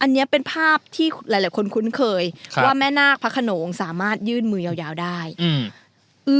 อันนี้เป็นภาพที่หลายหลายคนคุ้นเคยครับว่าแม่นาคพระขนงสามารถยื่นมือยาวยาวได้อืม